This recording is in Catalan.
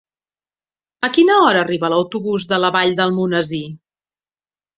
A quina hora arriba l'autobús de la Vall d'Almonesir?